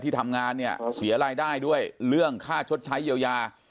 ทำงานเนี่ยเสียรายได้ด้วยเรื่องค่าชดใช้เยียวยา